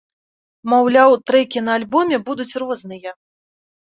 Маўляў, трэкі на альбоме будуць розныя.